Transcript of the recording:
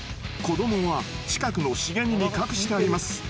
子どもは近くの茂みに隠してあります。